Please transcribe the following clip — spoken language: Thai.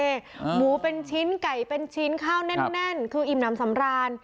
หมูเป็นชิ้นไก่เป็นชิ้นข้าวแน่นคืออิ่มน้ำสำราญ